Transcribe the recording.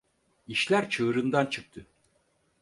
İşler çığırından çıktı.